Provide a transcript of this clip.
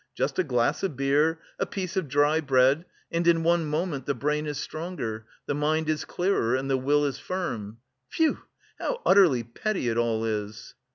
Just a glass of beer, a piece of dry bread and in one moment the brain is stronger, the mind is clearer and the will is firm! Phew, how utterly petty it all is!"